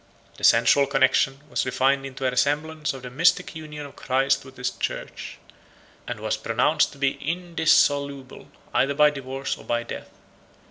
The sensual connection was refined into a resemblance of the mystic union of Christ with his church, and was pronounced to be indissoluble either by divorce or by death.